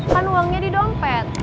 kan uangnya di dompet